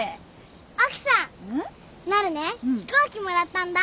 奥さんなるね飛行機もらったんだ。